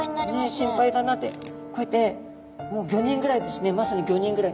心配だなってこうやってもう５人ぐらいですねまさに５人ぐらいで見てたんです。